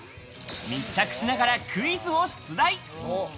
密着しながらクイズを出題。